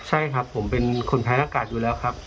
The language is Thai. ใช่ครับผมเป็นคนแพ้อากาศอยู่แล้วครับ